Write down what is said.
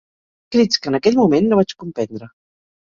Crits que, en aquell moment, no vaig comprendre